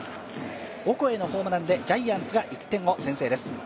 オコエのホームランでジャイアンツが１点を先制です。